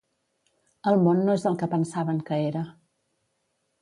El món no és el que pensaven que era.